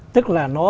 tức là nó